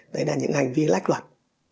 đấy là những hành vi lách loạt